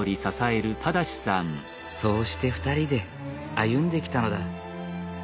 そうして２人で歩んできたのだ。